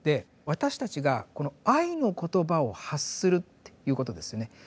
私たちがこの愛の言葉を発するっていうことですよね。